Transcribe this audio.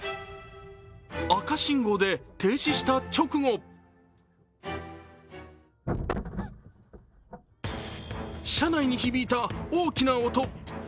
赤信号で停止した直後車内に響いた大きな音。